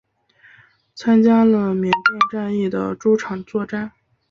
参加了缅甸战役的诸场作战。